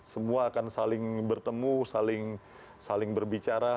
semua akan saling bertemu saling berbicara